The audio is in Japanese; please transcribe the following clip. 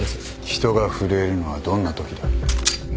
人が震えるのはどんなときだ。